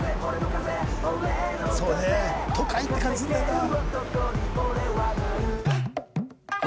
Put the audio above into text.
そうね都会って感じするんだよなぁ。